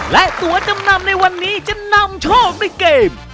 และตัวจำนำในวันนี้จะนำโชคด้วยเกม